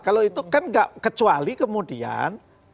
kalau itu kan gak kecuali kemudian